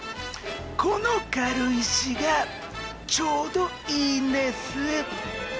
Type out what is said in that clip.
この軽石がちょうどいいんです。